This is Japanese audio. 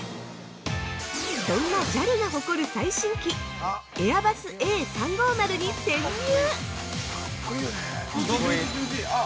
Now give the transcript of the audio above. そんなＪＡＬが誇る最新機エアバスＡ３５０に潜入！